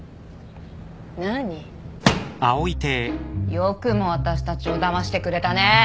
よくも私たちをだましてくれたね。